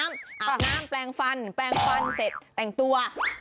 อาบน้ำแปลงฟันแปลงฟันเสร็จแต่งตัว